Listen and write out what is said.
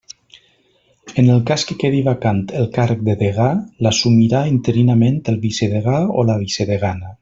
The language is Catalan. En el cas que quedi vacant el càrrec de degà, l'assumirà interinament el vicedegà o la vicedegana.